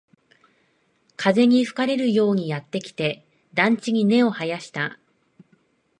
風に吹かれるようにやってきて、団地に根を生やした